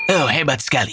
oh hebat sekali